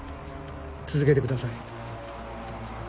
続けてください。